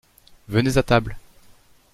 Venez à table.